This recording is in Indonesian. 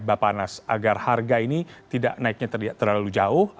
bapak anas agar harga ini tidak naiknya terlalu jauh